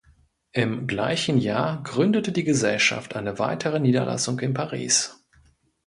Im gleichen Jahr gründete die Gesellschaft eine weitere Niederlassung in Paris.